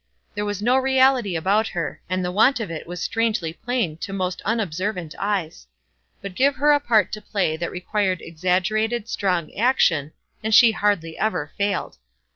There was no reality about her, and the want of it was strangely plain to most unobservant eyes. But give her a part to play that required exaggerated, strong action, and she hardly ever failed.